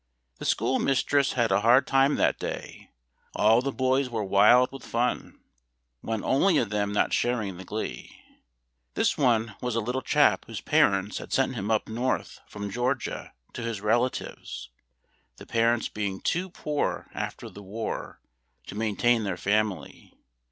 The school mistress had a hard time that day; all the boys were wild with fun, one only of them not sharing the glee. This one was a little chap whose parents had sent him up North from Georgia to his relatives, the parents being too poor after the war to maintain their family.